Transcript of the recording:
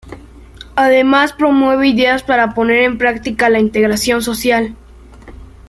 Además, promueve ideas para poner en práctica la integración social.